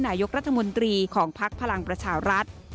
นายกรัฐมนตรีของภักดิ์พลังประชารัฐ